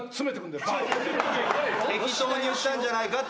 適当に言ったんじゃないかって。